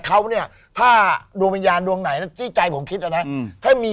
เขาเนี้ยถ้าดวงวิญญาณดวงไหนแล้วที่ใจผมคิดอ่ะน่ะอืมถ้ามี